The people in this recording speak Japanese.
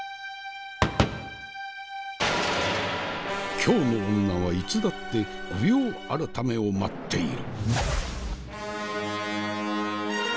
京の女はいつだって御用改めを待っている。